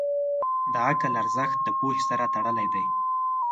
د عقل ارزښت د پوهې سره تړلی دی.